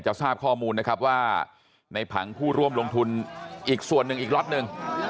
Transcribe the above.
ทราบข้อมูลนะครับว่าในผังผู้ร่วมลงทุนอีกส่วนหนึ่งอีกล็อตหนึ่ง